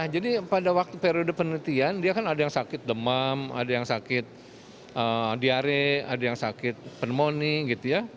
jadi pada waktu periode penelitian ada yang sakit demam ada yang sakit diare ada yang sakit pneumonia